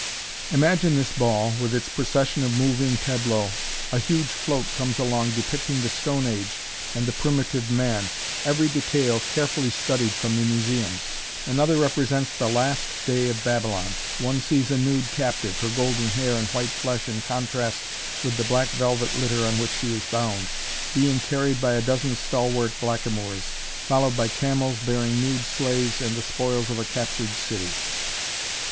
Imagine this ball, with its procession of moving tableaux. A huge float comes along, depicting the stone age and the primitive man, every detail carefully studied from the museums. Another represents the last day of Babylon. One sees a nude captive, her golden hair and white flesh in contrast with the black velvet litter on which she is bound, being carried by a dozen stalwart blackamoors, followed by camels bearing nude slaves and the spoils of a captured city.